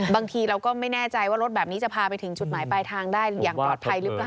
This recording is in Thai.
บางทีเราก็ไม่แน่ใจว่ารถแบบนี้จะพาไปถึงจุดหมายปลายทางได้อย่างปลอดภัยหรือเปล่า